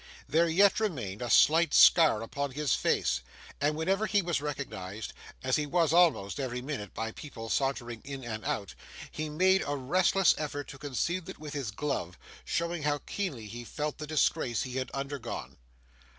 There yet remained a slight scar upon his face, and whenever he was recognised, as he was almost every minute by people sauntering in and out, he made a restless effort to conceal it with his glove; showing how keenly he felt the disgrace he had undergone.